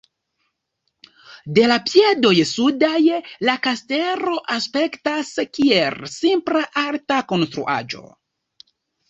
De la piedoj sudaj la kastelo aspektas kiel simpla alta konstruaĵo.